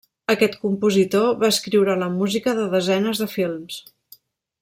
Aquest compositor va escriure la música de desenes de films.